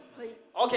ＯＫ。